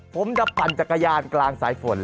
ผมจะปั่นจักรยานกลางสายฝน